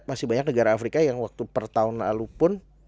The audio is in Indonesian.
masih banyak negara afrika yang waktu per tahun lalu pun